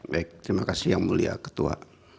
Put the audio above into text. baik terima kasih yang mulia ketua